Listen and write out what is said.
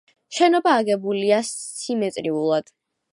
შენობა აგებულია სიმეტრიულად.